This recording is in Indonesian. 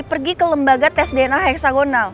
lagi pergi ke lembaga tes dna hexagonal